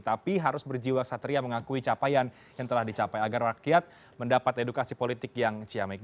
tapi harus berjiwa satria mengakui capaian yang telah dicapai agar rakyat mendapat edukasi politik yang ciamik